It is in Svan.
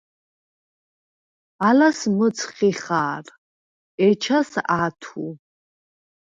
ალას მჷცხი ხა̄რ, ეჩას – ა̈თუ.